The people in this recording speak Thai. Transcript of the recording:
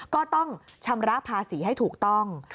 ก็ต้องชำระภาษีให้ถูกต้อง